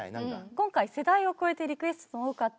今回世代を超えてリクエストの多かった。